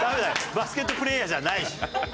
バスケットプレーヤーじゃないし。